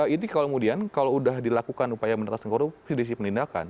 ini kalau kemudian kalau udah dilakukan upaya mendatasi korupsi di sisi pendidikan